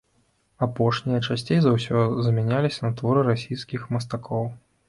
Апошнія часцей за ўсё замяняліся на творы расійскіх мастакоў.